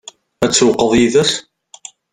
Ad tsewwqeḍ yid-s?